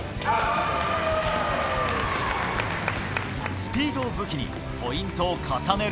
スピードを武器にポイントを重ねる。